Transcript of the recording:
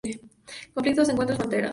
Conflictos, encuentros, fronteras".